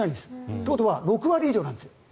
ということは６割以上なんです。